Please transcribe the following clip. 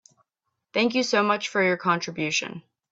Thank you so much for your contribution.